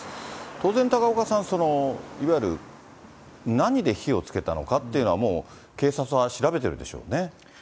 当然、高岡さん、いわゆる何で火をつけたのかっていうのは、もう、警察は調べてるでしょうね。